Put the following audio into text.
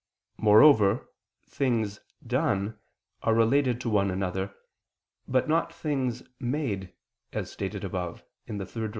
Moreover, things done are related to one another, but not things made, as stated above (ad 3).